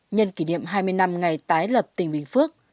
nhân kỷ niệm hai mươi năm ngày tái lập tỉnh bình phước